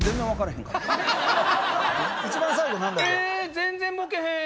全然ボケへん。